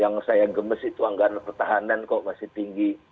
yang saya gemes itu anggaran pertahanan kok masih tinggi